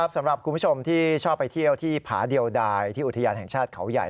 สำหรับคุณผู้ชมที่ชอบไปเที่ยวที่ผาเดียวดายที่อุทยานแห่งชาติเขาใหญ่